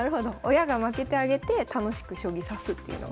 親が負けてあげて楽しく将棋指すっていうのが。